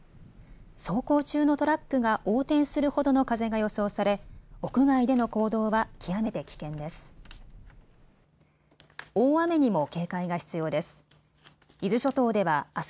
走行中のトラックが横転するほどの風が予想され屋外での行動は極めて危険です。